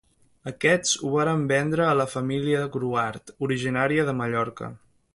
Aquests ho varen vendre a la família Gruart, originària de Mallorca.